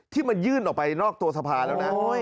ที่มันยื่นออกไปนอกตัวสภาแล้วนะ